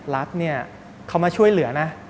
รัฐเนี่ยเขามาช่วยเหลือนะ